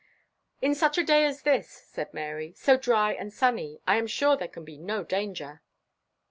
"In such a day as this," said Mary, "so dry and sunny, I am sure there can be no danger."